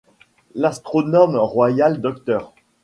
L'astronome royal Dr.